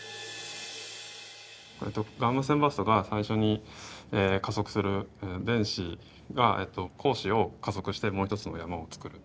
ガンマ線バーストが最初に加速する電子が光子を加速してもう一つの山を作る。